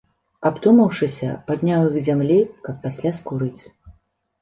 Абдумаўшыся, падняў іх з зямлі, каб пасля скурыць.